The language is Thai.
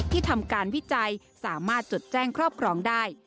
ทำการวิจัยสามารถจดแจ้งครอบครองได้